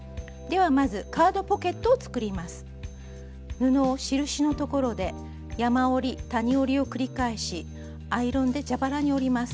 布を印のところで山折り谷折りを繰り返しアイロンで蛇腹に折ります。